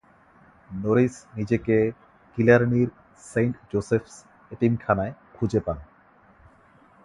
Norris নিজেকে কিলারনির Saint জোসেফ'স এতিমখানায় খুঁজে পান।